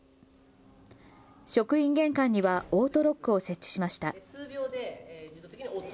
職員玄関にはオートロックを設置しました。